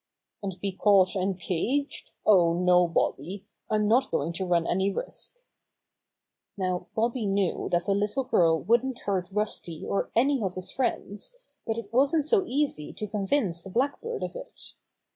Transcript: "And be caught and caged? Oh, no, Bobby, I'm not going to run any risk!" Now Bobby knew that the little girl wouldn't hurt Rusty or any of his friends, but it wasn't so easy to convince the Blackbird of it.